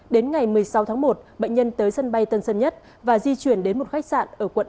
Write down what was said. đến ngày một mươi sáu tháng một bệnh nhân tới sân bay tân sơn nhất và di chuyển đến một khách sạn